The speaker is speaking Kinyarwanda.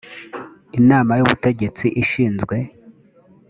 inama y ubutegetsi ishinzwe